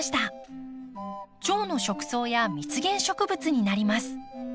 チョウの食草や蜜源植物になります。